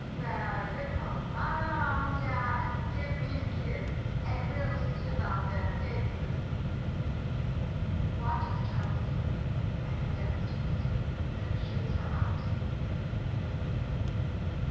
Well, yo' come right 'long hyah an' gib me de kiss, an' we '11 see 'bout dem cakeses. [Watches child in, and bends to kiss her, then shoos her ont.